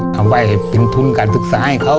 ทำให้เป็นทุนการศึกษาให้เขา